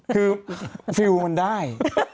คือฟิลล์มันได้